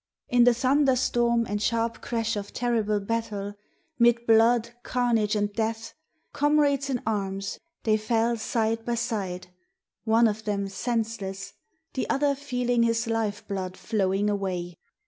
In the thunder storm and sharp crash of terrible battle, 'mid blood, carnage, and death, Comrades in arms, they fell side by side; one of them senseless, the other feeling his life blood flowing away...